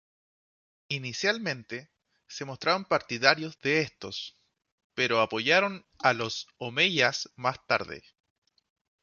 Inicialmente, se mostraron partidarios de estos, pero apoyaron a los omeyas más tarde.